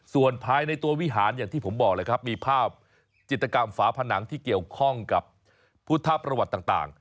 ส่วนภายในตัววิหารอย่างที่ผมบอกเลยครับมีภาพจิตกรรมฝาผนังที่เกี่ยวข้องกับพุทธประวัติต่าง